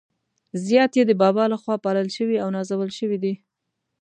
زیات يې د بابا له خوا پالل شوي او نازول شوي دي.